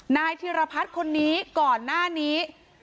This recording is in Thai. นายธิรพัฒน์คนนี้ก่อนหน้านี้